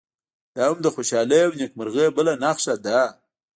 دا هم د خوشالۍ او نیکمرغۍ بله نښه ده.